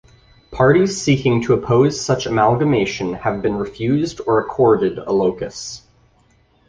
Parties seeking to oppose such amalgamation have been refused or accorded a locus